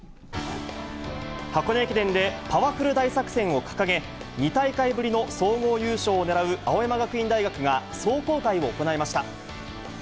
箱根駅伝でパワフル大作戦を掲げ、２大会ぶりの総合優勝をねらう青山学院大学が、壮行会を行いました。